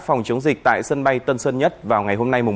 phòng chống dịch tại sân bay tân sơn nhất vào ngày hôm nay